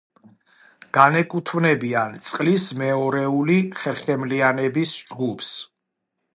განეკუთვნებიან წყლის მეორეული ხერხემლიანების ჯგუფს.